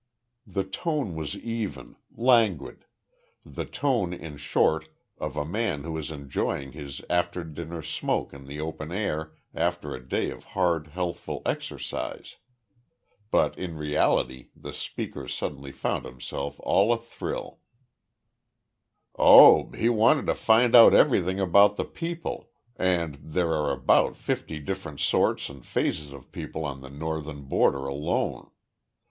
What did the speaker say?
The tone was even, languid; the tone, in short, of a man who is enjoying his after dinner smoke in the open air after a day of hard healthful exercise. But in reality the speaker suddenly found himself all athrill. "Oh, he wanted to find out everything about the people and there are about fifty different sorts and phases of people on the Northern border alone.